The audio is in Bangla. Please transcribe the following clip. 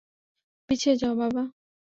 পিছিয়ে যাও, বাবা!